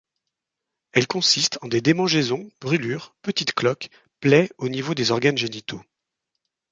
Elle consiste en des démangeaisons, brûlures, petites cloques, plaies au niveau des organes génitaux.